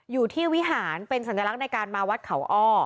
วิหารเป็นสัญลักษณ์ในการมาวัดเขาอ้อ